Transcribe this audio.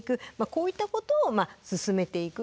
こういったことを進めていく。